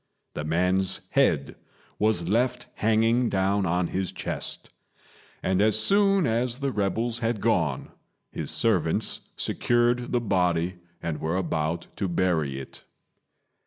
The man's head was left hanging down on his chest; and as soon as the rebels had gone, his servants secured the body and were about to bury it.